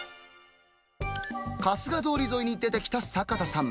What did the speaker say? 春日通り沿いに出てきた坂田さん。